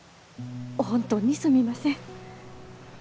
本当にすみません。